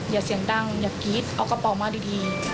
อย่าเสียงดังอย่ากรี๊ดเอากระเป๋ามาดี